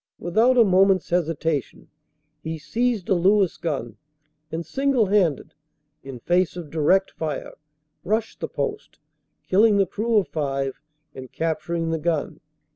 Without a moment s hesitation he seized a Lewis gun and single handed, in face of direct fire, rushed the post, killing the crew of five and capturing the gun.